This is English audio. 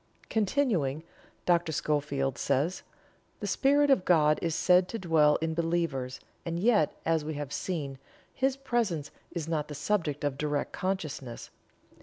Continuing, Dr. Schofield says: "The Spirit of God is said to dwell in believers, and yet, as we have seen, His presence is not the subject of direct consciousness.